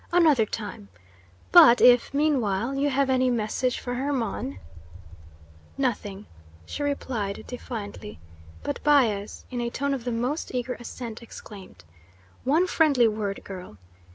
Another time! But if, meanwhile, you have any message for Hermon " "Nothing," she replied defiantly; but Bias, in a tone of the most eager assent, exclaimed: "One friendly word, girl.